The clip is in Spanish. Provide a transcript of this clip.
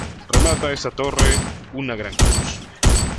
Remata esta torre una gran cruz.